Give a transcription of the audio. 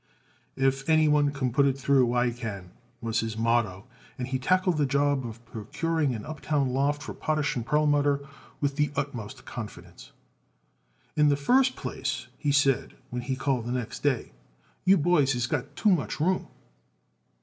"If anyone can put it through, I can," was his motto, and he tackled the job of procuring an uptown loft for Potash & Perlmutter with the utmost confidence. "In the first place," he said when he called the next day, "you boys has got too much room."